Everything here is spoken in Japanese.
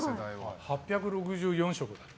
８６４食だって。